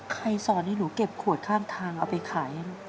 สอนให้หนูเก็บขวดข้างทางเอาไปขายลูก